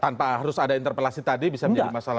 tanpa harus ada interpelasi tadi bisa menjadi masalah